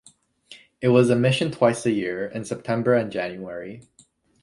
It was admission twice a year, in September and January.